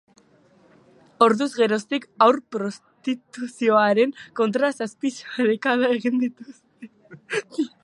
Orduz geroztik haur-prostituzioaren kontra zazpi sarekada egin dituzte.